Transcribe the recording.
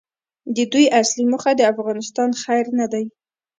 د دوی اصلي موخه د افغانستان خیر نه دی.